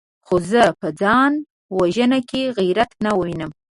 خو زه په ځان وژنه کې غيرت نه وينم!